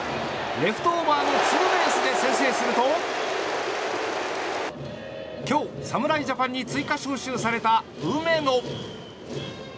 レフトオーバーのツーベースで先制すると今日、侍ジャパンに追加召集された梅野。